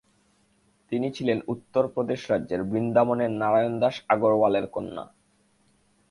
তিনি ছিলেন উত্তরপ্রদেশ রাজ্যের বৃন্দাবনের নারায়ণদাস আগরওয়ালের কন্যা।